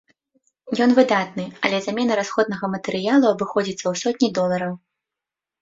Ён выдатны, але замена расходнага матэрыялу абыходзіцца ў сотні долараў.